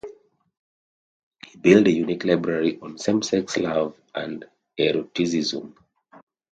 He built a unique library on same-sex love and eroticism.